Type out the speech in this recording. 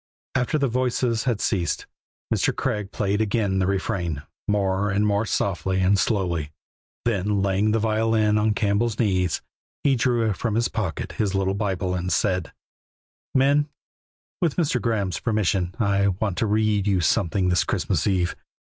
After the voices had ceased Mr. Craig played again the refrain, more and more softly and slowly; then laying the violin on Campbell's knees, he drew from his pocket his little Bible and said: "Men, with Mr. Graeme's permission I want to read you something this Christmas eve.